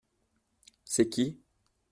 C’est qui ?